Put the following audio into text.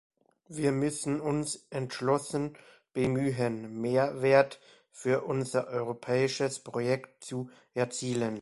Wir müssen uns entschlossen bemühen, Mehrwert für unser europäisches Projekt zu erzielen.